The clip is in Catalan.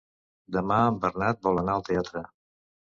Demà en Bernat vol anar al teatre.